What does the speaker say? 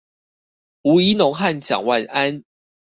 吳怡農和蔣萬安